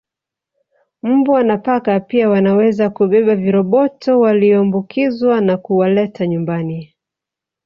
Mbwa na paka pia wanaweza kubeba viroboto walioambukizwa na kuwaleta nyumbani